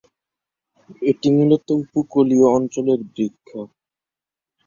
এটি মূলত উপকূলীয় অঞ্চলের বৃক্ষ।